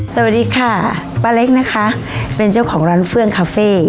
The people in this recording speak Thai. สวัสดีค่ะป้าเล็กนะคะเป็นเจ้าของร้านเฟื่องคาเฟ่